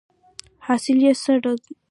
حاصل یې څه دی ؟